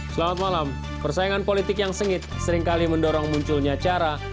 selamat malam persaingan politik yang sengit seringkali mendorong munculnya cara